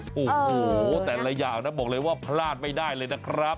โอ้โหแต่ละอย่างนะบอกเลยว่าพลาดไม่ได้เลยนะครับ